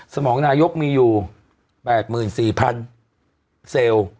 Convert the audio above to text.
สมองนายกมีอยู่๘๔๐๐๐เซลล์